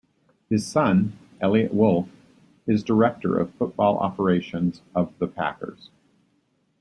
His son, Eliot Wolf, is Director of Football Operations of the Packers.